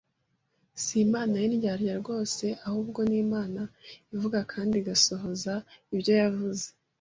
si Imana y’indyarya rwose ahubwo ni Imana ivuga kandi igasohoza ibyo yavuze.